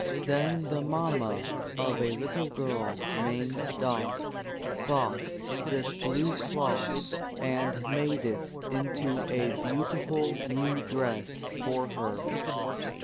Then the mamma of a little girl named Dot, bought this blue cloth and made it into a beautiful new dress for her.